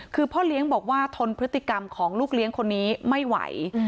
คือพ่อเลี้ยงบอกว่าทนพฤติกรรมของลูกเลี้ยงคนนี้ไม่ไหว